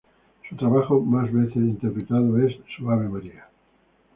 Su trabajo más veces interpretado es su Ave Maria.